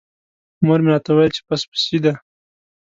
مور مې راته وویل چې پس پسي دی.